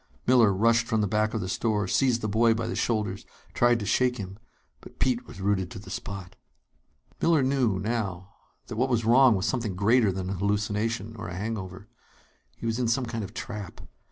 Miller rushed from the back of the store, seized the boy by the shoulders, tried to shake him. But Pete was rooted to the spot. Miller knew, now, that what was wrong was something greater than a hallucination or a hangover. He was in some kind of trap.